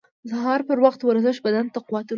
• د سهار پر وخت ورزش بدن ته قوت ورکوي.